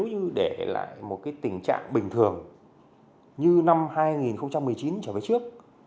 như để lại một tình trạng bình thường như năm hai nghìn một mươi chín trở về trước